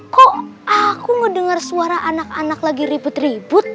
kok aku ngedengar suara anak anak lagi ribut ribut